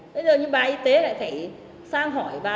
bây giờ như bà y tế lại phải sang hỏi bà